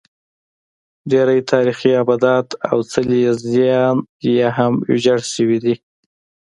ډېری تاریخي ابدات او څلي یې زیان یا هم ویجاړ شوي دي